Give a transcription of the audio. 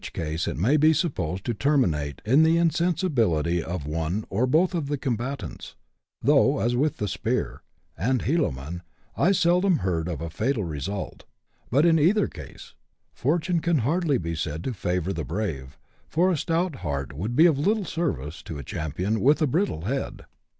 case it may be supposed to terminate in the insensibility of one or both of the combatants, though, as with the spear and heelo man, I seldom heard of a fatal result : but, in either case, fortune can hardly be said to favour the brave, for a stout heart would be of little service to a champion with a brittle head.